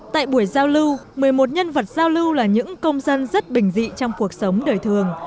tại buổi giao lưu một mươi một nhân vật giao lưu là những công dân rất bình dị trong cuộc sống đời thường